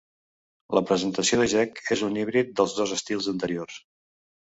La presentació de Jech és un híbrid dels dos estils anteriors.